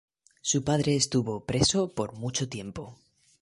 Su padre estuvo preso por mucho tiempo.